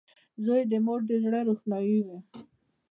• زوی د مور د زړۀ روښنایي وي.